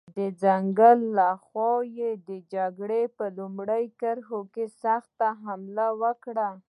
د ځنګل له خوا یې د جګړې پر لومړۍ کرښې سخته حمله وکړه.